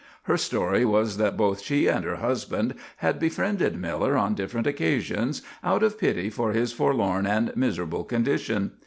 Her story was that both she and her husband had befriended Miller on different occasions, out of pity for his forlorn and miserable condition.